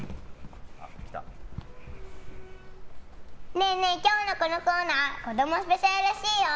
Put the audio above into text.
ねえねえ、今日のこのコーナー子どもスペシャルらしいよ！